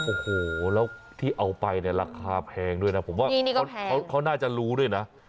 โอ้โหแล้วที่เอาไปเนี่ยราคาแพงด้วยนะผมว่าเขาน่าจะรู้ด้วยนะ